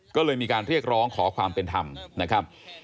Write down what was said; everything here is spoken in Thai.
ก็เลยมีการเรียกร้องขอความเป็นธรรมนะครับ